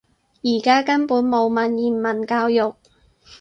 而家根本冇文言文教育